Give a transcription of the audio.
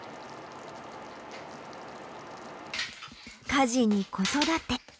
家事に子育て。